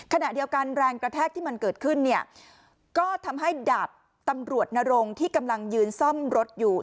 ขณะเดียวกันแรงกระแทกที่มันเกิดขึ้นเนี่ยก็ทำให้ดาบตำรวจนรงที่กำลังยืนซ่อมรถอยู่